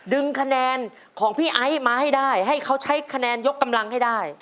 ดึงคะแนนของพี่ไอซ์มาให้ได้ให้เขาใช้คะแนนยกกำลังให้ได้